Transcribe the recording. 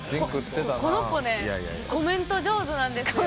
この子ねコメント上手なんですよ。